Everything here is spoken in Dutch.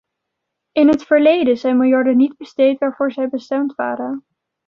In het verleden zijn miljarden niet besteed waarvoor zij bestemd waren.